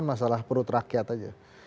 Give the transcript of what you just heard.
masalah perut rakyat aja